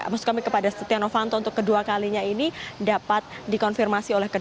maksud kami kepada setia novanto untuk kedua kalinya ini dapat dikonfirmasi